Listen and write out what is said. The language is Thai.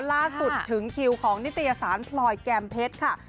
ถึงคิวของนิตยสารพลอยแก้มเพชรค่ะ